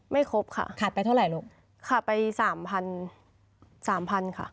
ไม่ครบค่ะขาดไปเท่าไหร่ลูกขาดไปสามพันสามพันค่ะ